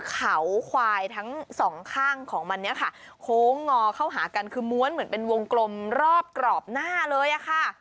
เขาควายทั้งสองข้างของมันเนี่ยค่ะโค้งงอเข้าหากันคือม้วนเหมือนเป็นวงกลมรอบกรอบหน้าเลยอะค่ะ